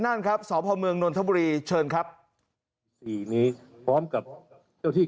นั่นครับสพเมืองนนทบุรีเชิญครับสี่นี้พร้อมกับเจ้าที่